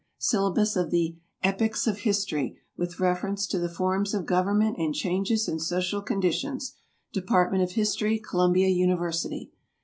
"Syllabus of the Epochs of History, with Reference to the Forms of Government and Changes in Social Conditions." Department of History, Columbia University.